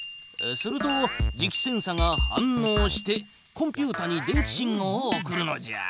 すると磁気センサが反のうしてコンピュータに電気信号を送るのじゃ。